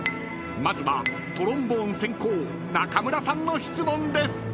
［まずはトロンボーン専攻中村さんの質問です］